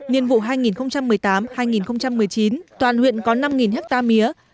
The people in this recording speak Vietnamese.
nhiệm vụ hai nghìn một mươi tám hai nghìn một mươi chín toàn huyện có năm ha mía